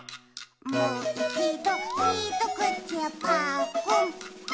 「もういちどひとくちぱっくん」ま。